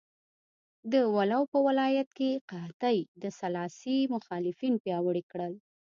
د ولو په ولایت کې قحطۍ د سلاسي مخالفین پیاوړي کړل.